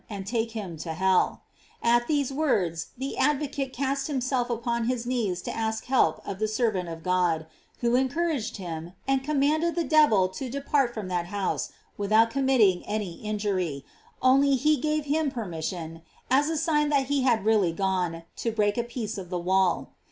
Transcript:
and take him to hello At these words the advocate cast himself upon his knees to ask help of the servant of God, who encouraged him, and commanded the devil to depart from that house without com mitting any injury, only he gave him permission, as a sign that he had really gone, to break a piece of the wall.